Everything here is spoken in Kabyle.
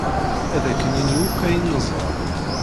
Ad ak-nini akk ayen neẓra.